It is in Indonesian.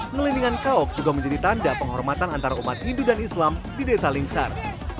ngelindingan kauk juga menjadi tanda penghormatan antara umat hindu dan islam di desa lingsar